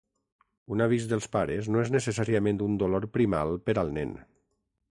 Un avís dels pares no és necessàriament un dolor primal per al nen.